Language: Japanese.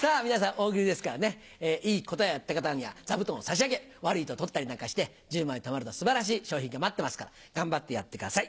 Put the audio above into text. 大喜利ですからねいい答えだった方には座布団を差し上げ悪いと取ったりなんかして１０枚たまると素晴らしい賞品が待ってますから頑張ってやってください。